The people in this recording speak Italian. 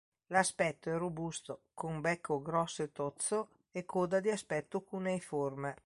L'aspetto è robusto, con becco grosso e tozzo e coda di aspetto cuneiforme.